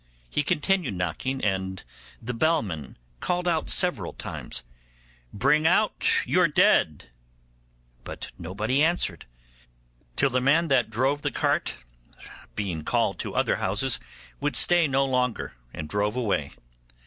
He continued knocking, and the bellman called out several times, 'Bring out your dead'; but nobody answered, till the man that drove the cart, being called to other houses, would stay no longer, and drove away.